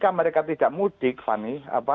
ketika mereka tidak mudik fani